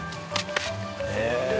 へえ！